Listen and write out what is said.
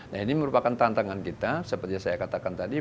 nah ini merupakan tantangan kita seperti saya katakan tadi